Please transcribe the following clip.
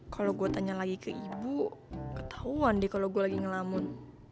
kalau gue tanya lagi ke ibu ketahuan deh kalau gue lagi ngelamun